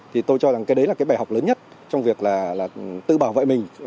thì tôi cho rằng cái đấy là cái bài học lớn nhất trong việc là tự bảo vệ mình